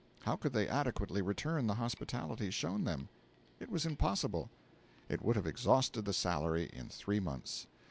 How could they adequately return the hospitalities shown them? It was impossible. It would have exhausted the salary in three months.